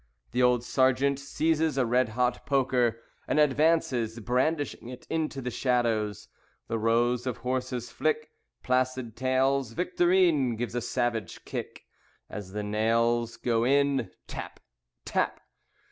The old Sergeant seizes a red hot poker And advances, brandishing it, into the shadows. The rows of horses flick Placid tails. Victorine gives a savage kick As the nails Go in. Tap! Tap!